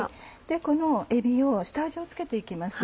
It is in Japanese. このえびを下味を付けて行きます。